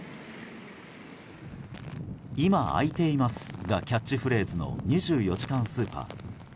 「今あいています」がキャッチフレーズの２４時間スーパー。